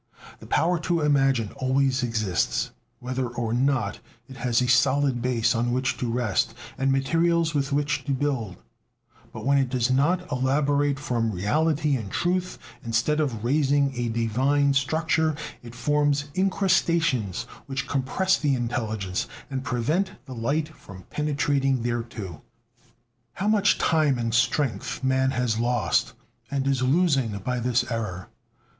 The power to imagine always exists, whether or not it has a solid basis on which to rest and materials with which to build; but when it does not elaborate from reality and truth, instead of raising a divine structure it forms incrustations which compress the intelligence and prevent the light from penetrating thereto. How much time and strength man has lost and is losing by this error!